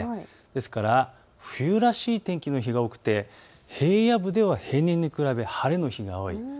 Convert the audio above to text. ですから冬らしい天気の日が多くて平野部では平年に比べて晴れの日が多い。